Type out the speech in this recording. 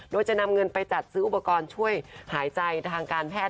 โดยจะนำเงินไปจัดซื้ออุปกรณ์ช่วยหายใจทางการแพทย์